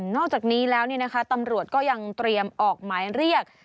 นอกจากนี้แล้วตำรวจก็ยังเตรียมออกหมายเรียก